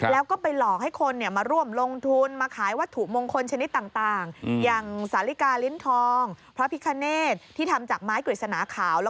แล้วก็ไปหลอกให้คนมาร่วมลงทุนมาขายวัตถุมงคลชนิดต่างอย่างสาลิกาลิ้นทองพระพิคเนตที่ทำจากไม้กฤษณาขาว